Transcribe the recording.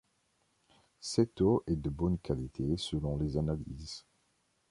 Cette eau est de bonne qualité selon les analyses.